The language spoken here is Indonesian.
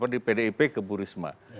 di pdip ke bu risma